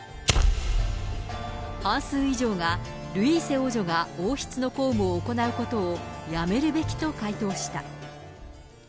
半数以上が、ルイーセ王女が王室の公務を行うことをやめるべきと回答した。